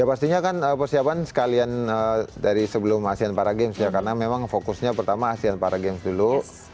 ya pastinya kan persiapan sekalian dari sebelum asean para games ya karena memang fokusnya pertama asean para games dulu